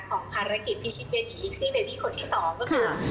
ภารกิจพิชิดเบบว์อิกซี่เบบว์คนที่สองก็คือ